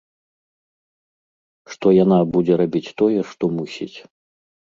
Што яна будзе рабіць тое, што мусіць.